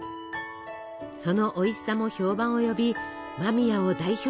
そのおいしさも評判を呼び間宮を代表するお菓子に。